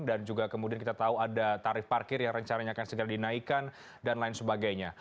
dan juga kemudian kita tahu ada tarif parkir yang rencananya akan segera dinaikkan dan lain sebagainya